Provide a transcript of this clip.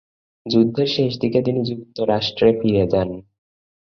যুদ্ধের শেষ দিকে তিনি যুক্তরাষ্ট্রে ফিরে যান।